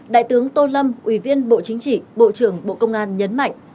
đại tướng tô lâm ủy viên bộ chính trị bộ trưởng bộ công an nhấn mạnh